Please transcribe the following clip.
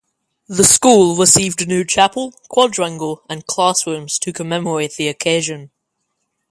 The school received a New Chapel, Quadrangle and Classrooms to commemorate the occasion.